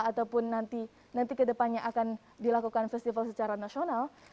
ataupun nanti kedepannya akan dilakukan festival secara nasional